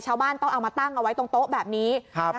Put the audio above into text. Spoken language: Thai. ชาวบ้านต้องเอามาตั้งเอาไว้ตรงโต๊ะแบบนี้